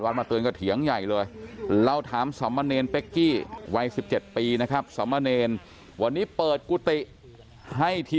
แต่บางทีมันก็เศร้าใจนะ